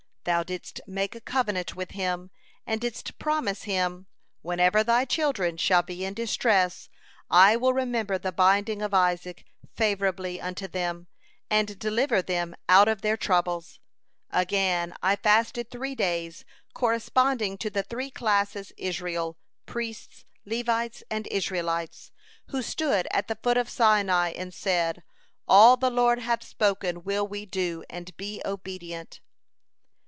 Thou didst make a covenant with him, and didst promise him: 'Whenever thy children shall be in distress, I will remember the binding of Isaac favorably unto them, and deliver them out of their troubles.' Again, I fasted three days corresponding to the three classes Israel, priests, Levites, and Israelites, who stood at the foot of Sinai, and said: 'All the Lord hath spoken will we do, and be obedient.'"